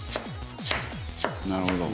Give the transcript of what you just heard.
「なるほど」